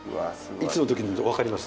いつの時のとか分かります？